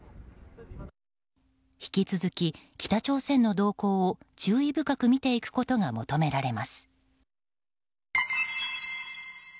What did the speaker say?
引き続き北朝鮮の動向を注意深く見ていくことがいってらっしゃい！